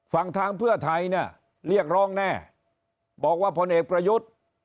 ทางเพื่อไทยเนี่ยเรียกร้องแน่บอกว่าพลเอกประยุทธ์